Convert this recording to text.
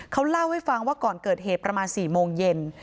เขาเล่าให้ฟังว่าก่อนเกิดเหตุประมาณ๔โมงเย็น